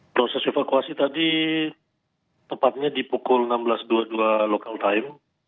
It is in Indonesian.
proses evakuasi tadi tepatnya di pukul enam belas dua puluh dua local time